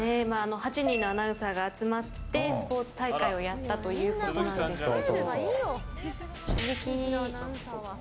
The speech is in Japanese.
８人のアナウンサーが集まってスポーツ大会をやったということなんですけど。